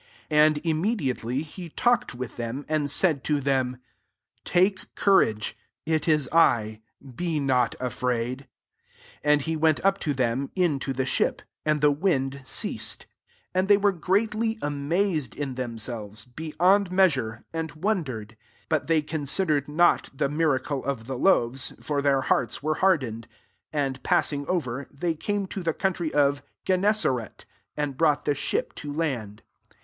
And immediately, he talked with them, and said to them, ^ Take courage : it is I ; be not afi*aid.'' 51 AjDd he went up to them, in to ^e skip : and the wind ceas ed : and they were [greatly] amazed in themselves [beyond measure] [and wondered.} 52 But they considered not t^e miracle of the loaves : for their hearts were hardened. 5S And passing over, they came to liie country of Genmesaret, and brought the ship to kind.